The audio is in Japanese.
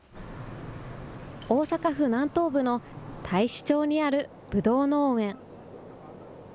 大阪府南東部の太子町にあるブドウ農園。